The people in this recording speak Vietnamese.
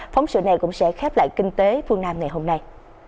phóng sự này cũng sẽ khép lại kinh tế phương nam ngày hôm nay